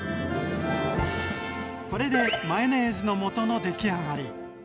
これでマヨネーズのもとのできあがり。